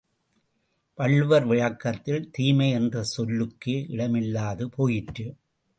வள்ளுவர் விளக்கத்தில், தீமை என்ற சொல்லுக்கே இடமில்லாது போயிற்று.